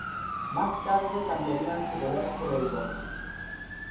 Más tarde cambiarían su color por el rojo.